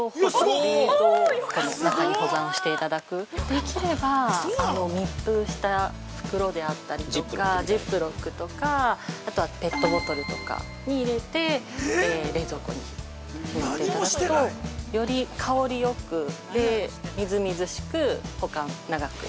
できれば密封した袋であったりとかジップロックとか、あとはペットボトルとかに入れて冷蔵庫にしまっていただくとより香りよくみずみずしく保管、長く。